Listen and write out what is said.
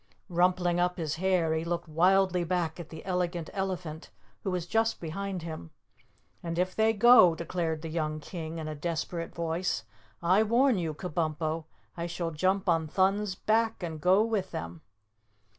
Rumpling up his hair, he looked wildly back at the Elegant Elephant, who was just behind him. "And if they go," declared the young King in a desperate voice, "I warn you, Kabumpo, I shall jump on Thun's back and go with them."